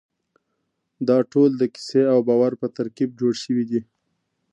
دا ټول د کیسې او باور په ترکیب جوړ شوي دي.